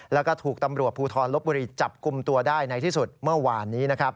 แล้วก็ถูกตำรวจภูทรลบบุรีจับกลุ่มตัวได้ในที่สุดเมื่อวานนี้นะครับ